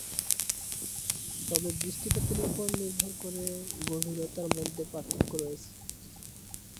তবে, বৃষ্টিপাতের উপর নির্ভর করে গভীরতার মধ্যে পার্থক্য রয়েছে।